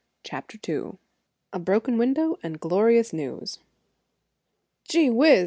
CHAPTER II A BROKEN WINDOW, AND GLORIOUS NEWS "Gee whiz!